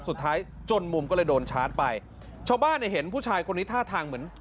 จนมุมก็เลยโดนชาร์จไปชาวบ้านเนี่ยเห็นผู้ชายคนนี้ท่าทางเหมือน